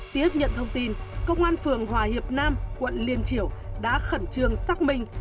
tiếp nhận thông tin công an phường hòa hiệp nam quận liên triểu đã khẩn trương xác minh